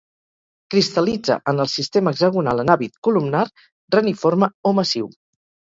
Cristal·litza en el sistema hexagonal en hàbit columnar, reniforme o massiu.